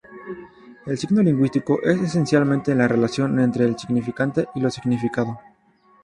El signo lingüístico es esencialmente la relación entre el significante y lo significado.